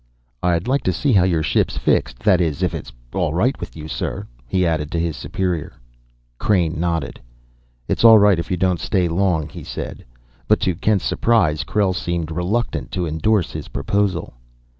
"I'd like to see how your ship's fixed that is, if it's all right with you, sir," he added to his superior. Crain nodded. "All right if you don't stay long," he said. But, to Kent's surprise Krell seemed reluctant to endorse his proposal.